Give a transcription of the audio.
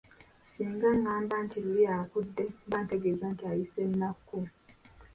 Singa ngamba nti lule akudde, mba ntegeeza nti ayise “nakku”.